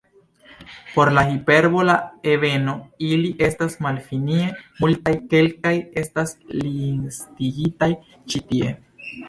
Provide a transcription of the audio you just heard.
Por la hiperbola ebeno ili estas malfinie multaj, kelkaj estas listigitaj ĉi tie.